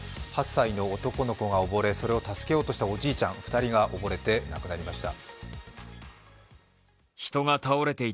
８歳の男の子が溺れ、それを助けようとしたおじいちゃん２人が溺れて亡くなりました。